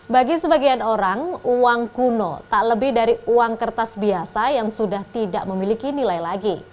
bagi sebagian orang uang kuno tak lebih dari uang kertas biasa yang sudah tidak memiliki nilai lagi